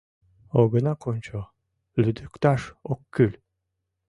Огына кончо — лӱдыкташ ок кӱл.